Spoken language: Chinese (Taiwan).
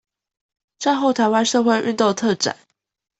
戰後臺灣社會運動特展